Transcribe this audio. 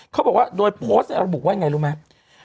เขาบอกว่าโดยโพสต์บอกว่าอย่างไรรู้ไหม